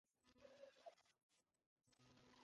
Carvacrol does not have many long-term genotoxic risks.